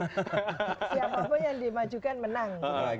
siapa pun yang dimajukan menang